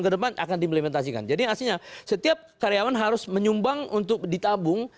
ke depan akan diimplementasikan jadi adanya setiap karyawan menyumbang untuk ditabung